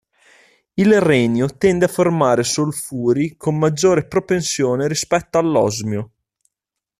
Il renio tende a formare solfuri con maggiore propensione rispetto all'osmio.